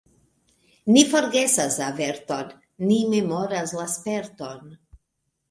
Ni forgesas averton, ni memoras la sperton.